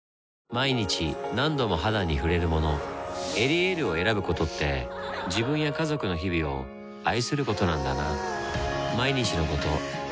毎日何度も肌に触れるもの「エリエール」を選ぶことって自分や家族の日々を愛することなんだなぁ